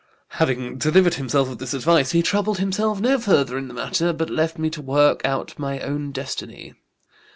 Having delivered himself of this advice he troubled himself no further in the matter, but left me to work out my own destiny.